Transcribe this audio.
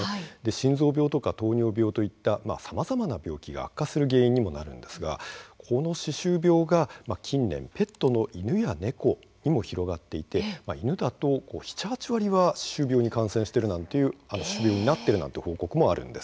心臓病とか糖尿病といったさまざまな病気が悪化する原因にもなるんですがこの歯周病が、近年ペットの犬や猫にも広がっていて犬だと７、８割は歯周病に感染している歯周病になっているなんていう報告もあるんです。